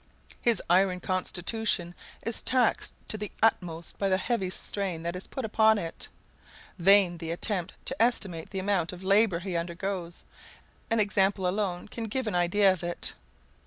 His iron constitution is taxed to the utmost by the heavy strain that is put upon it. Vain the attempt to estimate the amount of labor he undergoes; an example alone can give an idea of it.